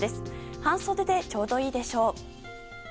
半袖でちょうどいいでしょう。